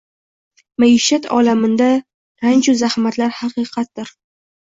Maishat olaminda ranju zahmatlar haqiqatdir